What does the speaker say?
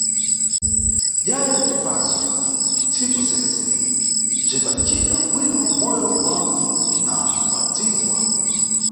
Dyaya bzisapo ntsiku zentse, bzimbacita bwino moyo wanu na wa adzindza wanu.